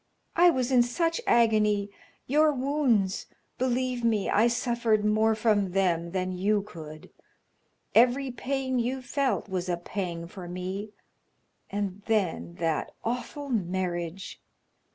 I was in such agony your wounds believe me, I suffered more from them than you could. Every pain you felt was a pang for me and then that awful marriage!